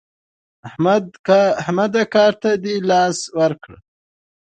احمده کار ته دې لاس ورکړ؟